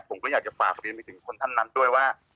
ผมก็อยากจะฝากเรียนไปถึงคนท่านนั้นด้วยว่า